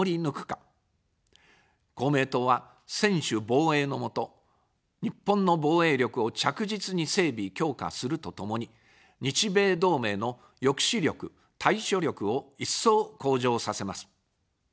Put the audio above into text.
公明党は、専守防衛の下、日本の防衛力を着実に整備・強化するとともに、日米同盟の抑止力・対処力を一層向上させます。